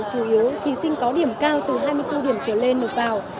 chủ yếu thí sinh có điểm cao từ hai mươi bốn điểm trở lên nộp vào